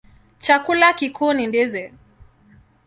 Chakula kikuu ni ndizi.